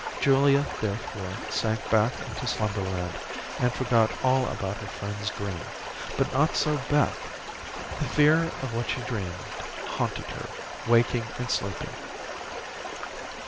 Julia therefore sank back into slumberland, and forgot all about her friend's dream, but not so Beth. The fear of what she dreamed haunted her, waking and sleeping.